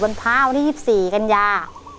วันพร้าวที่๒๔กันยา